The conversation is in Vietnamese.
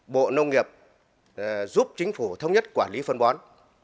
bộ nông nghiệp giúp chính phủ thống nhất quản lý phân bón